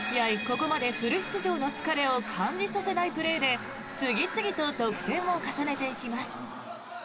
ここまでフル出場の疲れを感じさせないプレーで次々と得点を重ねていきます。